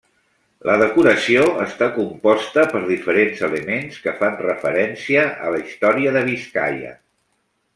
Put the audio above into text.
La decoració està composta per diferents elements que fan referència a la història de Biscaia.